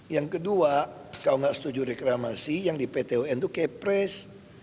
yang kedua kalau nggak setuju reklamasi yang di pt un itu kepres